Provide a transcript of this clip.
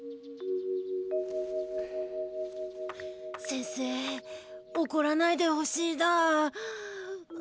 せんせおこらないでほしいだ。